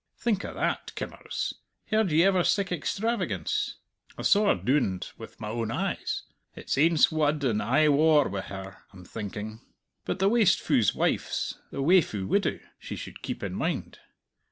Think o' that, kimmers; heard ye ever sic extravagance! I saw her doin'd wi' my own eyes. It's aince wud and aye waur wi' her, I'm thinking. But the wastefu' wife's the waefu' widow, she should keep in mind.